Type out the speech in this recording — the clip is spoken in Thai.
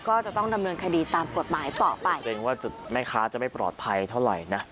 ก็จะต้องดำเนินคดีตามกฎหมายต่อไปเกรงว่าจุดแม่ค้าจะไม่ปลอดภัยเท่าไหร่นะ